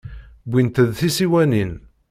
Wwint-d tisiwanin.